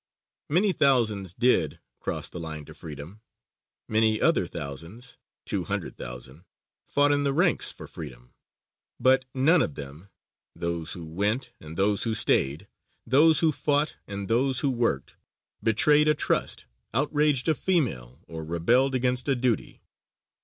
Many thousands did cross the line to freedom; many other thousands (200,000) fought in the ranks for freedom, but none of them those who went and those who stayed those who fought and those who worked, betrayed a trust, outraged a female, or rebelled against a duty.